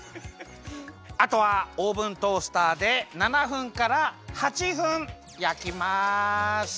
あとはオーブントースターで７分から８分やきます！